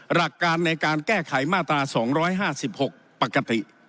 หลักการในการแก้ไขมาตรา๒๕๖ปกติ